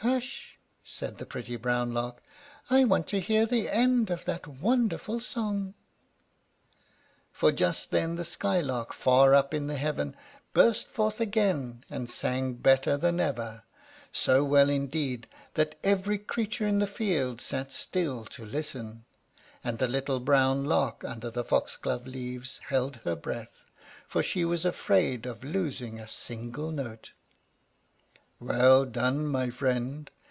"Hush!" said the pretty brown Lark. "I want to hear the end of that wonderful song." For just then the Skylark, far up in the heaven, burst forth again, and sang better than ever so well, indeed, that every creature in the field sat still to listen; and the little brown Lark under the foxglove leaves held her breath, for she was afraid of losing a single note. "Well done, my friend!"